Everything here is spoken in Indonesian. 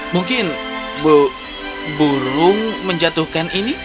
mungkin burung menjatuhkan ini